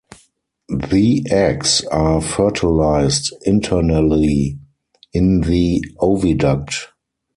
The eggs are fertilised internally in the oviduct.